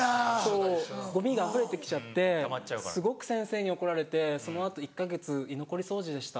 そうゴミがあふれてきちゃってすごく先生に怒られてその後１か月居残り掃除でした。